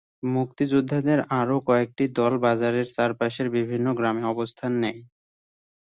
মুক্তিযোদ্ধাদের আরও কয়েকটি দল বাজারের চারপাশের বিভিন্ন গ্রামে অবস্থান নেয়।